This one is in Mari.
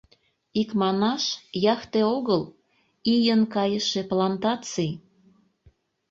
Икманаш, яхте огыл, ийын кайыше плантаций...